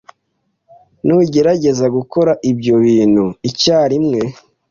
Ntugerageze gukora ibyo bintu icyarimwe.